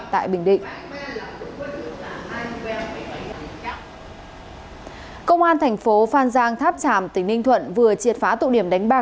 tỉnh bình định thành phố phan giang tháp tràm tỉnh ninh thuận vừa triệt phá tụ điểm đánh bạc